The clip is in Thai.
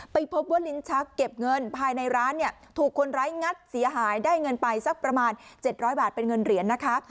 ไปพบว่าลิ้นชักเก็บเงินภายในร้านเนี่ยถูกคนร้ายงัดเสียหายได้เงินไปสักประมาณ๗๐๐บาทเป็นเงินเหรียญนะคะ